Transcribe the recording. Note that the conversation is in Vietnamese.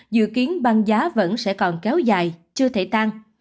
dự kiến băng giá vẫn sẽ còn kéo dài chưa thể tăng